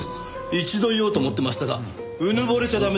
一度言おうと思ってましたがうぬぼれちゃ駄目です。